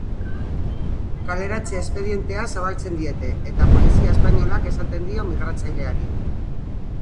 Kaleratze espedientea zabaltzen diete eta polizia espainolak esaten dio migratzaileari.